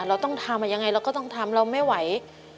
เราต้องทำยังไงเราก็ต้องทำเราไม่ไหว